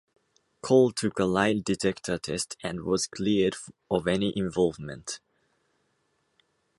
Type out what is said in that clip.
Cole took a lie detector test and was cleared of any involvement.